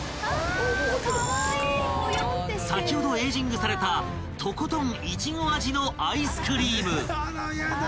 ［先ほどエージングされたとことん苺味のアイスクリーム］